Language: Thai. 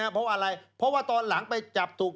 เพราะว่าพอหลังไปจับถูก